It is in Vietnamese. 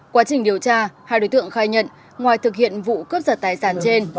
quá trình điều tra hai đối tượng khai nhận ngoài thực hiện vụ cướp giật tài sản trên